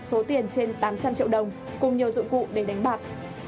số tiền trên tám trăm linh triệu đồng cùng nhiều dụng cụ để đánh bạc